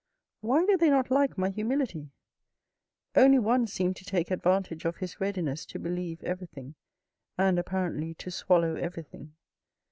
Why do they not like my humility ? Only one seemed to take advantage of his readiness to believe every thing, and apparently to swallow everything.